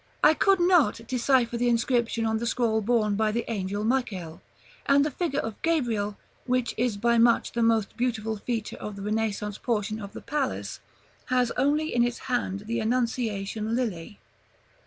I could not decipher the inscription on the scroll borne by the angel Michael; and the figure of Gabriel, which is by much the most beautiful feature of the Renaissance portion of the palace, has only in its hand the Annunciation lily.